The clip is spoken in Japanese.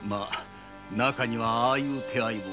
中にはああいう手合いも。